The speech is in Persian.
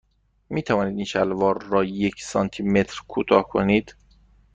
می توانید این شلوار را یک سانتی متر کوتاه کنید؟